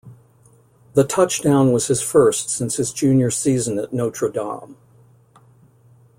The touchdown was his first since his junior season at Notre Dame.